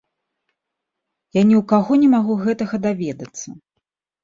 Я ні ў каго не магу гэтага даведацца.